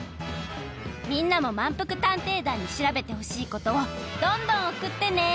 みんなもまんぷく探偵団に調べてほしいことをどんどんおくってね！